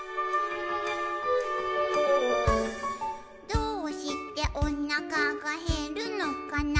「どうしておなかがへるのかな」